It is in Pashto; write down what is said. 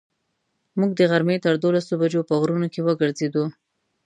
موږ د غرمې تر دولسو بجو په غرونو کې وګرځېدو.